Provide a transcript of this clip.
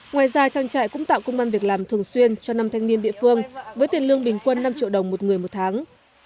ngoài ra trang trại cũng tạo công an việc làm thường xuyên cho năm thanh niên địa phương với tiền lương bình quân năm triệu đồng một người một tháng